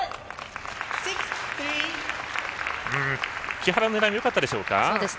木原の狙いよかったでしょうか。